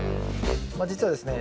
実はですね